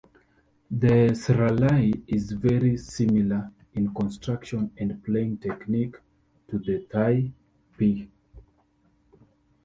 The "sralai" is very similar in construction and playing technique to the Thai "pi".